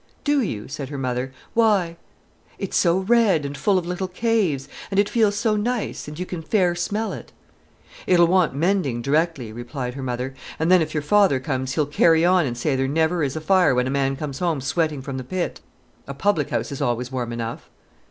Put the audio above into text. "Do you?" said her mother. "Why?" "It's so red, and full of little caves—and it feels so nice, and you can fair smell it." "It'll want mending directly," replied her mother, "and then if your father comes he'll carry on and say there never is a fire when a man comes home sweating from the pit. A public house is always warm enough."